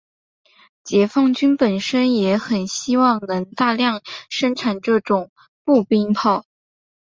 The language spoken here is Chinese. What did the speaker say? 解放军本身也很希望能大量生产这种步兵炮。